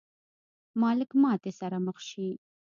مالک ماتې سره مخ شي.